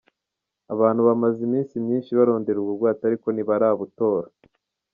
Abantu bamaze iminsi myinshi barondera ubwo bwato ariko ntibarabutora.